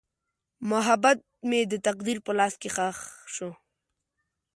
محبت مې د تقدیر په لاس ښخ شو.